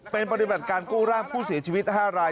เป็นปฏิบัติการกู้ร่างผู้เสียชีวิต๕ราย